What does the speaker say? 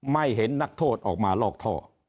ไม่เห็นนักโทษออกมาลอกท่อ